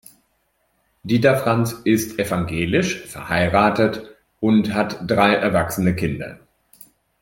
Dieter Franz ist evangelisch, verheiratet und hat drei erwachsene Kinder.